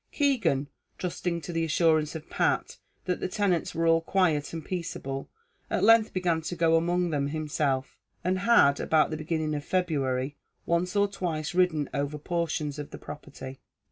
Keegan, trusting to the assurance of Pat, that the tenants were all quiet and peaceable, at length began to go among them himself, and had, about the beginning of February, once or twice ridden over portions of the property.